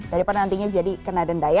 daripada nantinya jadi kena denda ya